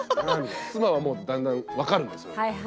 妻はもうだんだん分かるんですよ。